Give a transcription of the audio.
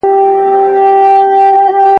چي هر چا ته وي دولت وررسېدلی ,